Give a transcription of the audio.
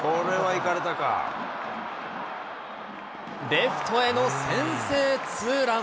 レフトへの先制ツーラン。